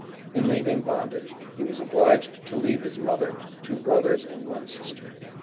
In leaving bondage, he was obliged to leave his mother, two brothers and one sister.